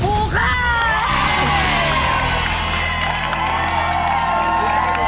ผู้ข้าว